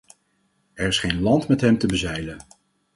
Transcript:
Er is geen land met hem te bezeilen.